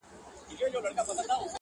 سر کي ښکر شاته لکۍ ورکړه باداره,